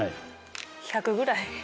１００ぐらい？